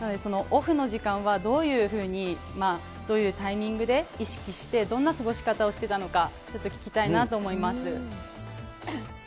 オフの時間はどういうふうに、どういうタイミングで意識してどんな過ごし方をしてたのか、ちょっと聞きたいなと思います。